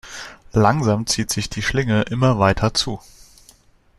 Langsam zieht sich die Schlinge immer weiter zu.